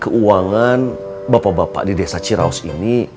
keuangan bapak bapak di desa ciraus ini